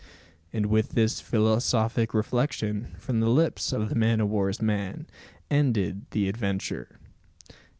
And with this philosophic reflection, from the lips of the man o' war's man, ended the adventure.